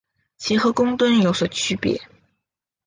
其和公吨有所区别。